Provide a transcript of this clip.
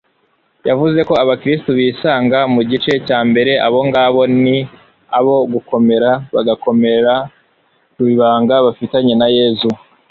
yavuze ko abakristu bisanga mu gice cya mbere, abo ngabo ni abo gukomera bagakomera ku ibanga bafitanye na yezu